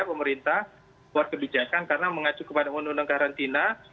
pemerintah buat kebijakan karena mengacu kepada undang undang karantina